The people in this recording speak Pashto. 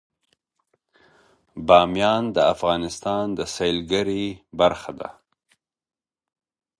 بامیان د افغانستان د سیلګرۍ برخه ده.